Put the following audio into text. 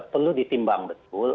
perlu ditimbang betul